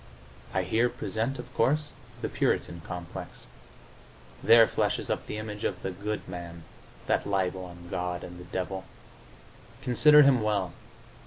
I here present, of course, the Puritan complex; there flashes up the image of the "good man," that libel on God and the devil. Consider him well.